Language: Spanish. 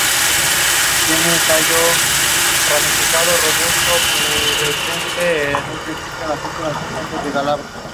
Estas neuronas se conectan a la fibra muscular por medio de la placa neuromuscular.